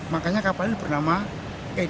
makanya kapalnya bernama edc